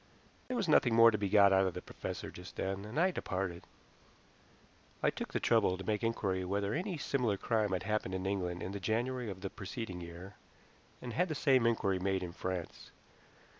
There was nothing more to be got out of the professor just then, and I departed. I took the trouble to make inquiry whether any similar crime had happened in England in the January of the preceding year, and had the same inquiry made in France.